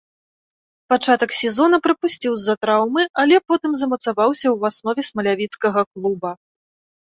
Пачатак сезона прапусціў з-за траўмы, але потым замацаваўся ў аснове смалявіцкага клуба.